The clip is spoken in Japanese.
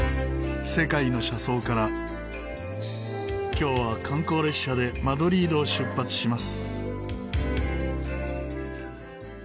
今日は観光列車でマドリードを出発します。